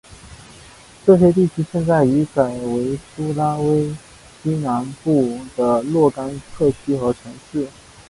这些地区现在已改为苏拉威西南部的若干特区和城市。